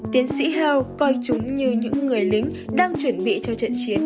tiến sĩ hao coi chúng như những người lính đang chuẩn bị cho trận chiến